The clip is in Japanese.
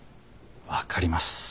分かります。